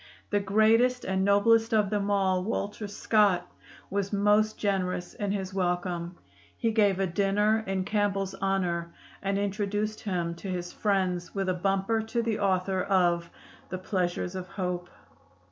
The greatest and noblest of them all, Walter Scott, was most generous in his welcome. He gave a dinner in Campbell's honor, and introduced him to his friends with a bumper to the author of 'The Pleasures of Hope.'